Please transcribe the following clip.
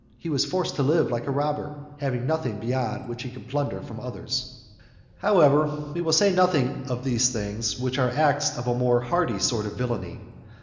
He was forced to live like a robber, having nothing beyond what he could plunder from others. However, we will say nothing of these things, which are acts of a more hardy sort of villany.